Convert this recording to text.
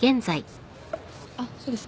あっそうです。